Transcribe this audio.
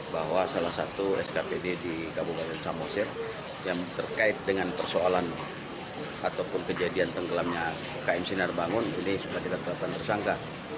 bahwa salah satu skpd di kabupaten samosir yang terkait dengan persoalan ataupun kejadian tenggelamnya km sinar bangun ini sudah kita tetapkan tersangka